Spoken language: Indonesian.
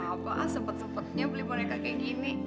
apa sempet sempetnya beli boneka kayak gini